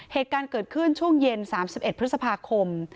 เหตุการณ์เกิดขึ้นช่วงเย็น๓๑พฤษภาคม